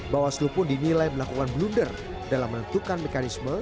bawaslu pun dinilai melakukan blunder dalam menentukan mekanisme